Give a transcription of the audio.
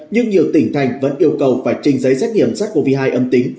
nhưng nhiều tỉnh thành vẫn yêu cầu phải trình giấy xét nghiệm sars cov hai âm tính